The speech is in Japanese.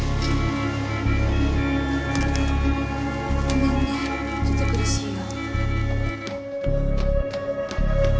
ごめんねちょっと苦しいよ。